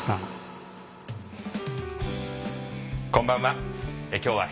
こんばんは。